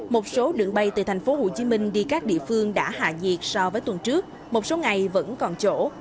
một số đường bay từ tp hcm đi các địa phương đã hạ nhiệt so với tuần trước một số ngày vẫn còn chỗ